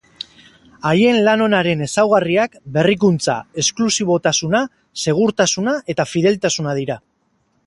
Haien lan onaren ezaugarriak berrikuntza, esklusibotasuna, segurtasuna eta fideltasuna dira.